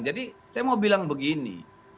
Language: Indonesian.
jadi saya mau bilang begini